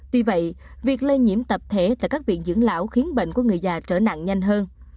tuy vậy việc lây nhiễm tập thể tại các viện dưỡng lão khiến bệnh của người già trở nặng nhanh hơn